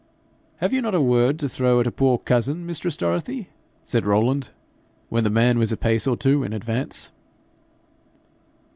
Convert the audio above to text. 'Have you not a word to throw at a poor cousin, mistress Dorothy?' said Rowland, when the man was a pace or two in advance.